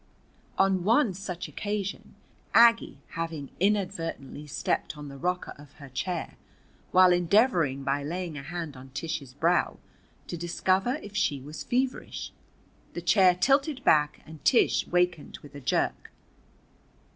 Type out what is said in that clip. On one such occasion, Aggie having inadvertently stepped on the rocker of her chair while endeavoring by laying a hand on Tish's brow to discover if she was feverish, the chair tilted back and Tish wakened with a jerk.